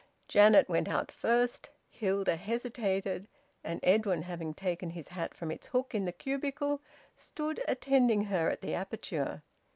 Janet went out first. Hilda hesitated; and Edwin, having taken his hat from its hook in the cubicle, stood attending her at the aperture.